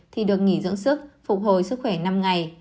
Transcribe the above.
thì được nghỉ dưỡng sức phục hồi sức khỏe năm ngày